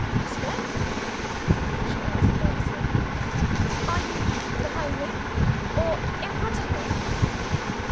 "Oscar," she asked nervously, "are you behind me? or in front of me?"